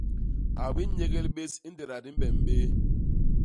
A bi nyégél bés i ñgéda di mbem bé.